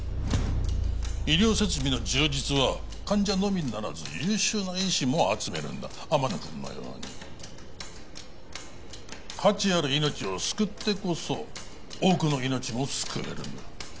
医療設備の充実は患者のみならず優秀な医師も集めるんだ天野くんのように価値ある命を救ってこそ多くの命も救えるんだ